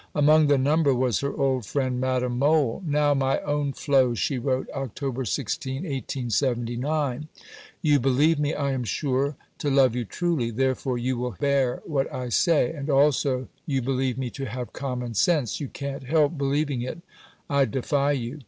Among the number was her old friend, Madame Mohl. "Now, my own Flo," she wrote (Oct. 16, 1879), "you believe me, I am sure, to love you truly; therefore you will bear what I say, and also you believe me to have common sense: you can't help believing it, I defy you!